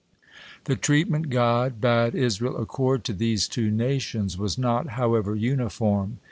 The treatment God bade Israel accord to these two nations was not, however, uniform.